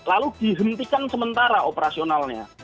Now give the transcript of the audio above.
lalu dihentikan sementara operasionalnya